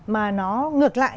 mà nó ngược lại